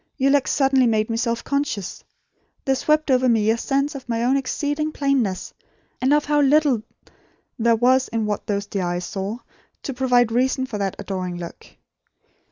your look suddenly made me self conscious. There swept over me a sense of my own exceeding plainness, and of how little there was in what those dear eyes saw, to provide reason, for that adoring look.